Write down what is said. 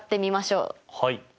はい。